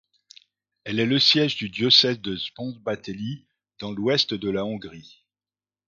Elle est le siège du diocèse de Szombathely dans l'Ouest de la Hongrie.